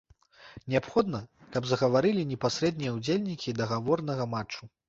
Неабходна, каб загаварылі непасрэдныя ўдзельнікі дагаворнага матчу.